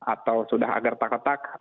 atau sudah agak retak retak